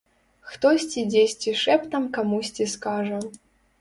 Хтосьці дзесьці шэптам камусьці скажа.